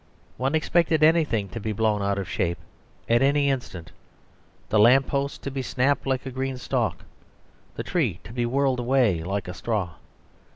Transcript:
One expected anything to be blown out of shape at any instant; the lamp post to be snapped like a green stalk, the tree to be whirled away like a straw.